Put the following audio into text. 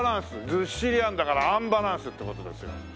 ずっしりあんだからあんバランスって事ですよ。